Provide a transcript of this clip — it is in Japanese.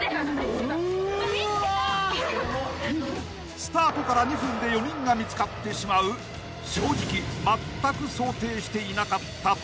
［スタートから２分で４人が見つかってしまう正直まったく想定していなかった展開に］